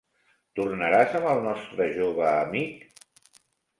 Tornaràs amb el nostre jove amic?